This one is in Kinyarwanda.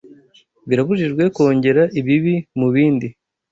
Birabujijwe kongera ibibi mu bindi